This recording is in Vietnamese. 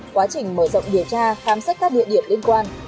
quá trình mở rộng điều tra khám xét các địa điểm liên quan